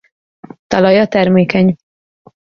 Talaja termékeny.